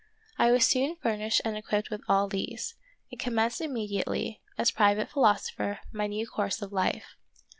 I was soon furnished and equipped with all these, and commenced immediately, as private philosopher, my new course of life.